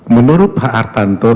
menurut pak artanto